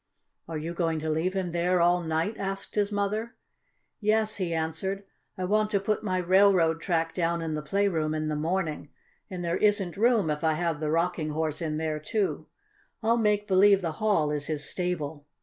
"Are you going to leave him there all night?" asked his mother. "Yes," he answered. "I want to put my railroad track down in the playroom in the morning, and there isn't room if I have the Rocking Horse in there too. I'll make believe the hall is his stable."